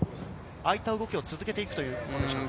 ああいった動きを続けていくことでしょうか？